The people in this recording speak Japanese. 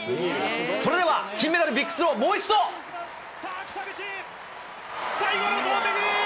それでは金メダル、ビッグスロー、最後の投てき。